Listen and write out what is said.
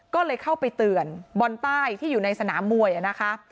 ก็เลยเข้าไปเตือนบอลใต้ที่อยู่ในสนามมวยนะคะ